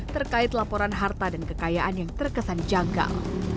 terkait laporan harta dan kekayaan yang terkesan janggal